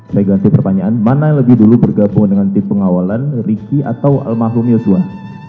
saya ganti pertanyaan mana yang lebih dulu bergabung dengan tim pengawalan riki atau almarhum yosua